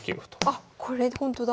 あっこれほんとだ。